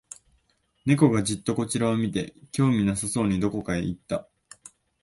猫がじっとこちらを見て、興味なさそうにどこかへ行った